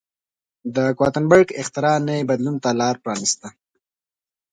د ګوتنبرګ اختراع نوي بدلون ته لار پرانېسته.